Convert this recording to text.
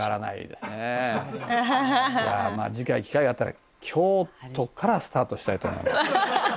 じゃあまあ次回機会があったら京都からスタートしたいと思います。